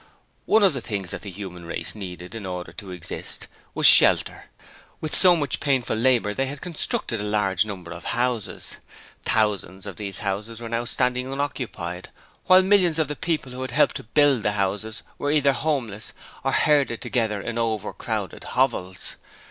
One of the things that the human race needed in order to exist was shelter; so with much painful labour they had constructed a large number of houses. Thousands of these houses were now standing unoccupied, while millions of the people who had helped to build the houses were either homeless or herding together in overcrowded hovels.